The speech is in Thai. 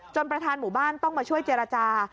ประธานหมู่บ้านต้องมาช่วยเจรจา